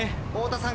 太田さん